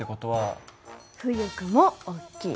浮力も大きい。